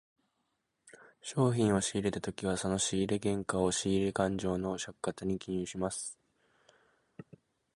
商品を仕入れたときはその仕入れ原価を、仕入れ勘定の借方に記入します。